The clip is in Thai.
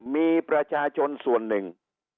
มีประชาชนส่วนหนึ่ง